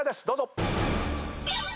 どうぞ！